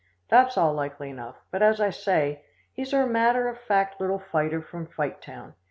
That's all likely enough, but, as I say, he's a matter of fact little fighter from Fighttown.